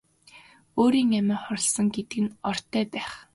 Өөрөө амиа хорлосон гэдэг нь ортой байх.